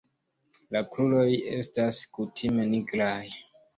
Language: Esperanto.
La kruroj estas kutime nigraj.